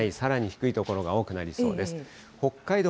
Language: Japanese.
さらに低い所が多くなりそうです。